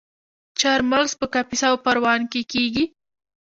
چهارمغز په کاپیسا او پروان کې کیږي.